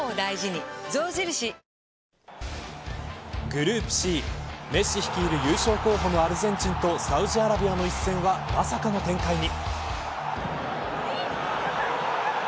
グループＣ、メッシ率いる優勝候補のアルゼンチンとサウジアラビアの一戦はまさかの展開に。